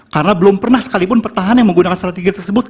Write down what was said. karena belum pernah sekalipun pertahanan yang menggunakan strategi tersebut